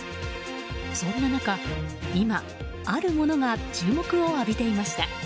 そんな中、今あるものが注目を浴びていました。